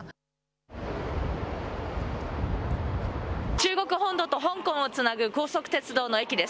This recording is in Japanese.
中国本土と香港をつなぐ高速鉄道の駅です。